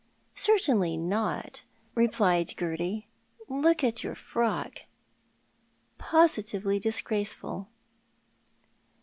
" Certainly not," replied Gerty. " Look at your frock— positively disgraceful.''